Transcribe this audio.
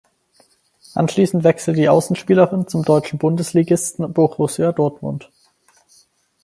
Anschließend wechselte die Außenspielerin zum deutschen Bundesligisten Borussia Dortmund.